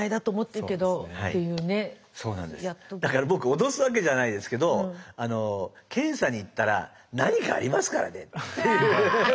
だから僕脅すわけじゃないですけど検査に行ったら何かありますからね。